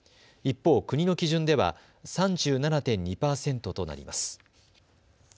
一方、国の基準では３７．２％となります。